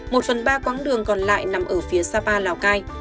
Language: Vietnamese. một phần ba quãng đường còn lại nằm ở phía sapa lào cai